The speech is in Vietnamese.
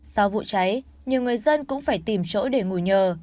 sau vụ cháy nhiều người dân cũng phải tìm chỗ để ngủ nhờ